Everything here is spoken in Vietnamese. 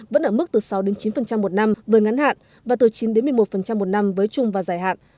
vẫn ở mức từ sáu chín một năm với ngắn hạn và từ chín một mươi một một năm với chung và dài hạn